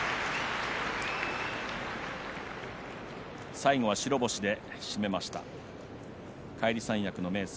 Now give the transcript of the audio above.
最後は白星で締めました返り三役の明生